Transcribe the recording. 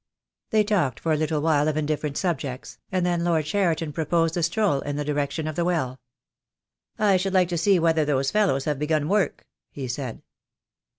They talked for a little while of indifferent subjects, and then Lord Cheriton proposed a stroll in the direction of the well. "I should like to see whether those fellows have begun work," he said.